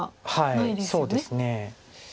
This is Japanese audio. そうですね。